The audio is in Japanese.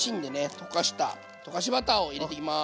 溶かした溶かしバターを入れていきます。